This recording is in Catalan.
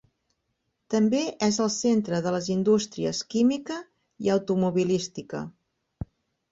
També és el centre de les indústries química i automobilística.